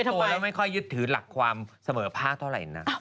เห็นแก่ตัวแล้วไม่ค่อยยึดถือหลักความเสมอภาคเท่าไรนะ